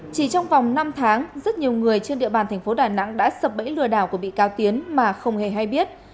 chỉ trong vòng năm tháng rất nhiều người trên địa bàn thành phố đà nẵng đã sập bẫy lừa đảo của bị cáo tiến mà không hề hay biết